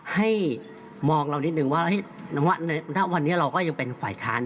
ให้มองเรานิดนึงว่าณวันนี้เราก็ยังเป็นฝ่ายค้าน